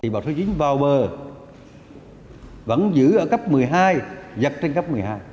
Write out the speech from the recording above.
bão số chín vào bờ vẫn giữ ở cấp một mươi hai giật trên cấp một mươi hai